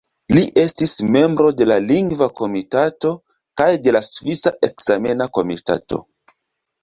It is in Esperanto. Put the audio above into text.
Li estis membro de la Lingva Komitato kaj de la Svisa Ekzamena Komitato.